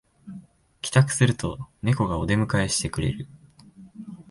帰宅するとネコがお出迎えしてくれる